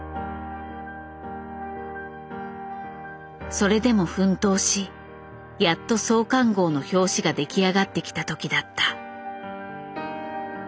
それでも奮闘しやっと創刊号の表紙が出来上がってきたときだった。